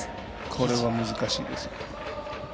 これは難しいですよ。